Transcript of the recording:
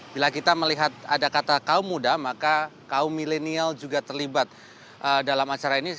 bila kita melihat ada kata kaum muda maka kaum milenial juga terlibat dalam acara ini